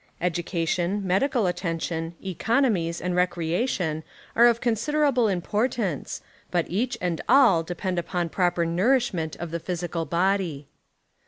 Education, medical attention, econ omics and recreation are of considerable importance but each and all depend upon jjroper nourishment of the physical body.